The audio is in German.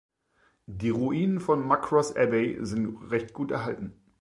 Die Ruinen von Muckross Abbey sind recht gut erhalten.